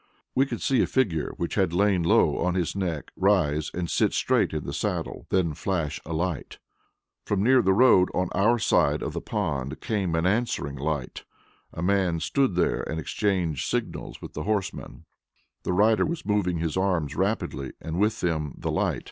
We could see a figure which had lain low on his neck rise and sit straight in the saddle, then flash a light. From near the road, on our side of the pond, came an answering light; a man stood there and exchanged signals with the horseman. The rider was moving his arms rapidly, and with them the light.